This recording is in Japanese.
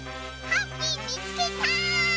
ハッピーみつけた！